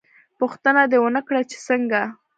_ پوښتنه دې ونه کړه چې څنګه؟